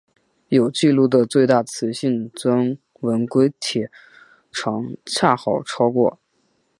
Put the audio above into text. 有纪录的最大雌性钻纹龟体长恰好超过。